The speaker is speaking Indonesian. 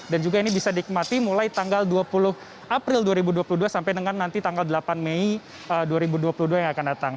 juga ini bisa dikmati mulai tanggal dua puluh april dua ribu dua puluh dua sampai dengan nanti tanggal delapan mei dua ribu dua puluh dua yang akan datang